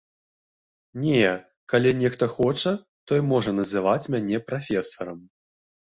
Не, калі нехта хоча, той можа называць мяне прафесарам.